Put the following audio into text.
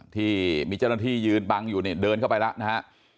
ที่มีเจ้าหน้าที่ยืนบังอยู่เนี่ยเดินเข้าไปแล้วนะฮะ